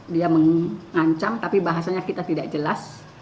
dia mengancam tapi bahasanya kita tidak jelas